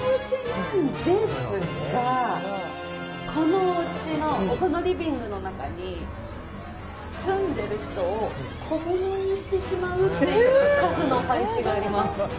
このおうちのこのリビングの中に住んでる人を小物にしてしまうという家具の配置があります。